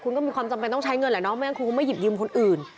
คุณก็มีความจำเป็นต้องใช้เงินแหละเนาะไม่งั้นคุณก็ไม่หยิบยืมคนอื่น